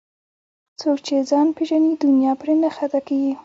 څوک چې ځان پیژني دنیا پرې نه خطا کېږي